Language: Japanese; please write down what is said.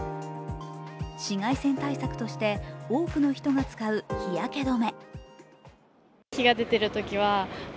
紫外線対策として多くの人が使う日焼け止め。